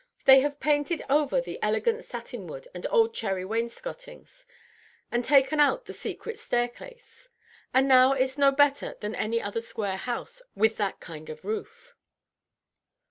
They have painted over the elegant satinwood and old cherry wainscotings, and taken out the secret staircase; and now it's no better than any other square house with that kind of roof."